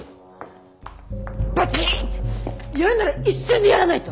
バチンってやるなら一瞬でやらないと。